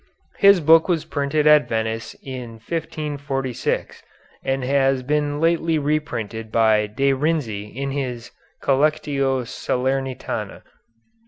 His book was printed at Venice in 1546, and has been lately reprinted by De Renzi in his "Collectio Salernitana."